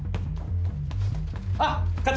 あっ課長！